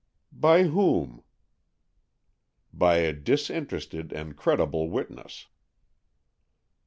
"By whom?" "By a disinterested and credible witness."